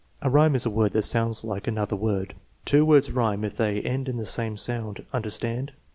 A rhyme is a word that sounds like another word. Two words rhyme if they end in the same sound. Understand